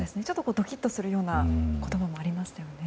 ドキッとするような言葉もありましたね。